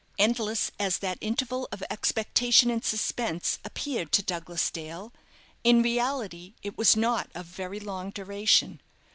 Endless as that interval of expectation and suspense appeared to Douglas Dale, in reality it was not of very long duration.